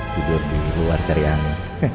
tidur di luar cari angin